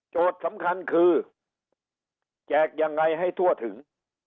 สำคัญคือแจกยังไงให้ทั่วถึง